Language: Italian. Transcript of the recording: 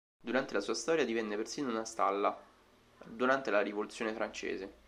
Durante la sua storia divenne persino una stalla, durante la Rivoluzione francese.